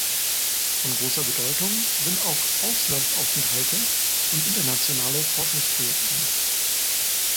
Von großer Bedeutung sind auch Auslandsaufenthalte und internationale Forschungsprojekte.